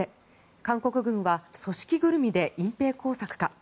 韓国軍は組織ぐるみで隠ぺい工作か。